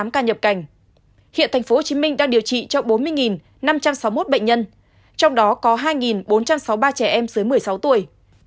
bốn trăm bốn mươi tám ca nhập cảnh hiện tp hcm đang điều trị trong bốn mươi năm trăm sáu mươi một bệnh nhân trong đó có hai bốn trăm sáu mươi ba trẻ em dưới một mươi sáu tuổi